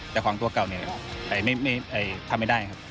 แต่ของตัวเก่าเนี่ยทำไม่ได้ครับ